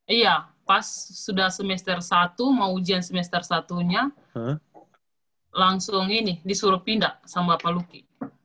iya pas sudah semester satu mau ujian semester satu nya langsung ini disuruh pindah sama pak luki